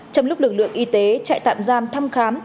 trong lúc lực lượng y tế trại tạm giam thăm khám